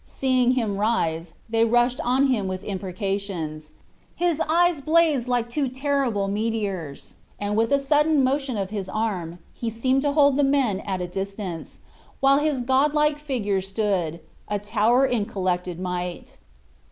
Seeing him rise, they rushed on him with imprecations. His eyes blazed like two terrible meteors; and, with a sudden motion of his arm, he seemed to hold the men at a distance, while his god like figure stood, a tower in collected might.